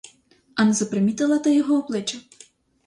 А не запримітила ти його обличчя?